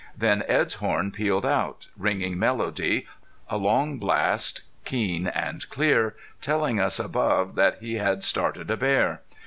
Then Edd's horn pealed out, ringing melody, a long blast keen and clear, telling us above that he had started a bear.